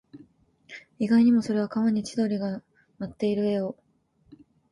意外にも、それは川に千鳥が舞っている絵を